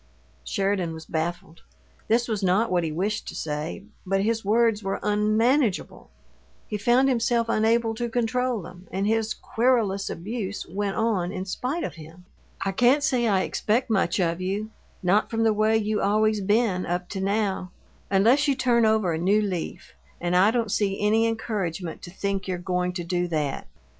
Sheridan was baffled. This was not what he wished to say, but his words were unmanageable; he found himself unable to control them, and his querulous abuse went on in spite of him. "I can't say I expect much of you not from the way you always been, up to now unless you turn over a new leaf, and I don't see any encouragement to think you're goin' to do THAT!